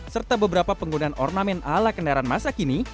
serta beberapa penggunaan ornamen ala kendaraan masa kini